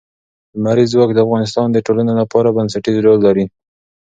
لمریز ځواک د افغانستان د ټولنې لپاره بنسټيز رول لري.